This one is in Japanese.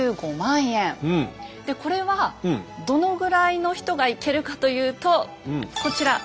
でこれはどのぐらいの人が行けるかというとこちら。